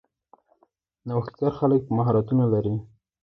نوښتګر خلک مهارتونه لري.